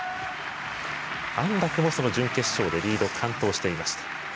安楽もその準決勝でリード完登していました。